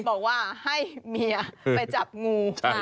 บอกว่าให้เมียไปจับงู